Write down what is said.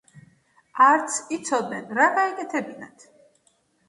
არც იცოდნენ, რა გაეკეთებინათ.